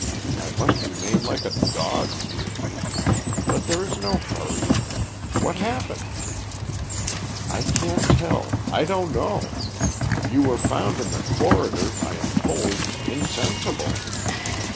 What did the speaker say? I must remain like a dog here. But there is no hurry. What happened?" "I can't tell; I don't know. You were found in the corridor, I am told, insensible.